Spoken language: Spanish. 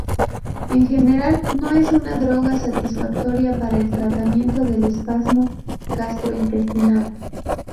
En general no es una droga satisfactoria para el tratamiento del espasmo gastrointestinal.